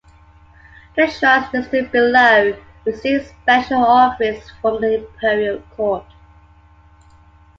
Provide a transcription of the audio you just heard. The shrines listed below receive special offerings from the Imperial Court.